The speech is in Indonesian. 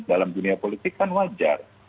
dalam dunia politik kan wajar